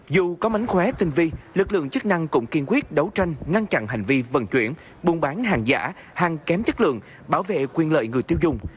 dù có mánh khóe tinh vi lực lượng chức năng cũng kiên quyết đấu tranh ngăn chặn hành vi vận chuyển buôn bán hàng giả hàng kém chất lượng bảo vệ quyền lợi người tiêu dùng